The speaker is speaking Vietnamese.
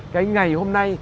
cái ngày hôm nay